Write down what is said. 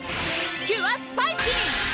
キュアスパイシー！